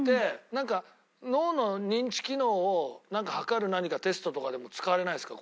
なんか脳の認知機能を測る何かテストとかでも使われないですか？